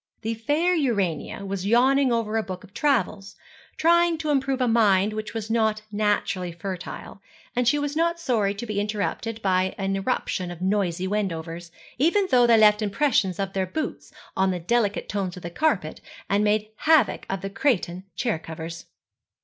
The fair Urania was yawning over a book of travels trying to improve a mind which was not naturally fertile and she was not sorry to be interrupted by an irruption of noisy Wendovers, even though they left impressions of their boots on the delicate tones of the carpet, and made havoc of the cretonne chair covers.